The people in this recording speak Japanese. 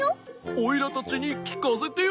オイラたちにきかせてよ。